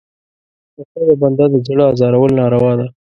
د خدای د بنده د زړه ازارول ناروا ده.